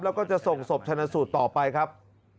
แล้วก็จะส่งศพชนะสูตรต่อไปครับ